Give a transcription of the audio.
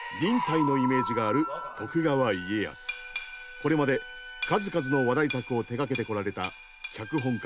これまで数々の話題作を手がけてこられた脚本家